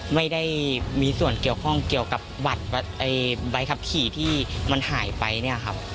ไม่ได้มีส่วนเกี่ยวข้องเกี่ยวกับบัตรใบขับขี่ที่มันหายไปเนี่ยครับ